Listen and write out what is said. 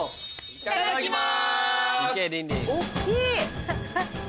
いただきます。